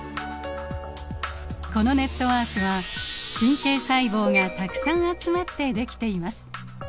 このネットワークは神経細胞がたくさん集まって出来ています。